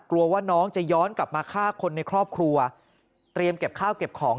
กลัวว่าน้องจะย้อนกลับมาฆ่าคนในครอบครัวเตรียมเก็บข้าวเก็บของ